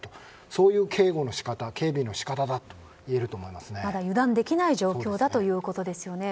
そういう警護の仕方警備の仕方だとまだ油断できない状況だということですよね。